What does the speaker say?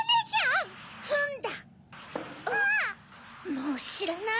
もうしらない！